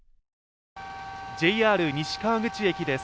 ＪＲ西川口駅です。